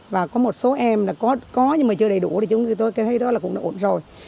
và có một số em là có nhưng mà chưa đầy đủ thì chúng tôi thấy đó là cũng đã ổn rồi